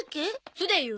そうだよ。